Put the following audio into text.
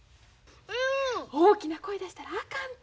大きな声出したらあかんて。